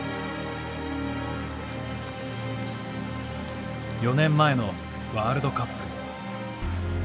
４年前のワールドカップ。